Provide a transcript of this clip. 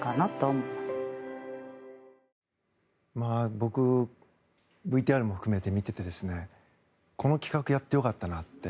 僕、ＶＴＲも含めて見ていてこの企画やってよかったなって。